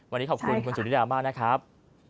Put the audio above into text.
วันนี้ขอบคุณคุณสุธิดามากนะครับ